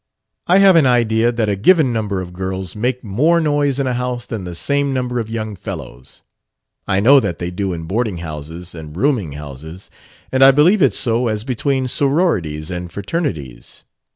"I have an idea that a given number of girls make more noise in a house than the same number of young fellows. I know that they do in boarding houses and rooming houses, and I believe it's so as between sororities and fraternities.